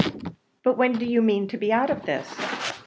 "But when do you mean to be out of this?"